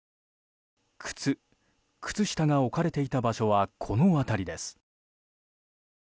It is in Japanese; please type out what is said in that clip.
靴、靴下が置かれていた場所はこの辺りです。